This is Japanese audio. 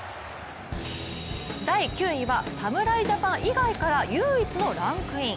第９位は侍ジャパン以外から唯一のランクイン。